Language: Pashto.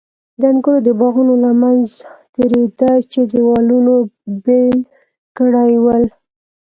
د انګورو د باغونو له منځه تېرېده چې دېوالونو بېل کړي ول.